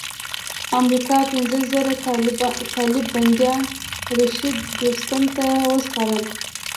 امریکا پنځه زره طالب بندیان رشید دوستم ته وسپارل.